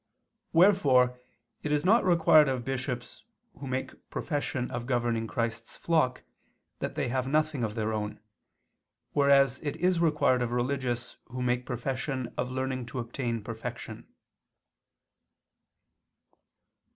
Wherefore it is not required of bishops, who make profession of governing Christ's flock, that they have nothing of their own, whereas it is required of religious who make profession of learning to obtain perfection.